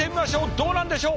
どうなんでしょう？